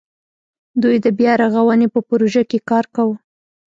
دوی د بیا رغاونې په پروژه کې کار کاوه.